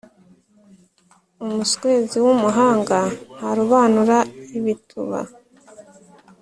Umuswezi w’umuhanga ntarobanura ibituba.